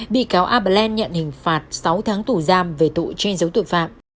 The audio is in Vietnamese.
bị cáo a blen nhận hình phạt sáu tháng tù giam về tội che giấu tội phạm